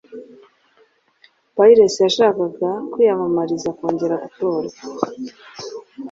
Pierce yashakaga kwiyamamariza kongera gutorwa